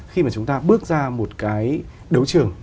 khi mà chúng ta bước ra một cái đấu trường